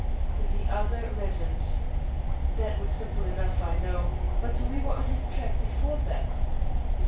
The other reddened. "That was simple enough, I know; but we were on his track before that."